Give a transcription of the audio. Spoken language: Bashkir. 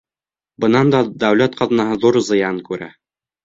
Бынан да дәүләт ҡаҙнаһы ҙур зыян күрә.